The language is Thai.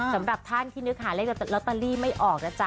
สำหรับท่านที่นึกหาเลขลอตเตอรี่ไม่ออกนะจ๊